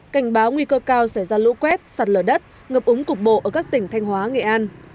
cảnh báo nguy cơ cao sẽ ra lũ quét sạt lở đất ngập úng cục bộ ở các tỉnh thanh hóa nghệ an